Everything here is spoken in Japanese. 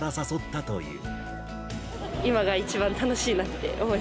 今が一番楽しいなって思い